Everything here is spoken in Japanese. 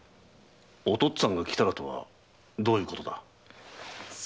「お父っつぁんが来たら」とはどういうことだ？